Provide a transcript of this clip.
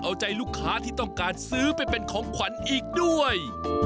เอาใจลูกค้าที่ต้องการซื้อไปเป็นของขวัญอีกด้วย